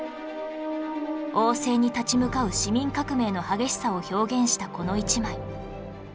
王政に立ち向かう市民革命の激しさを表現したこの一枚